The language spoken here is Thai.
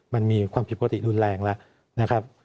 มันมีความผิดปกติรุนแรงแล้วนะครับ